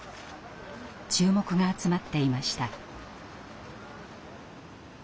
注目が集まっていました。